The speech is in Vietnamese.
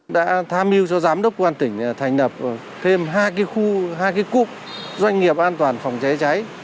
đã tham mưu cho giám đốc quang tỉnh thành lập thêm hai cái khu hai cái cúp doanh nghiệp an toàn phòng cháy cháy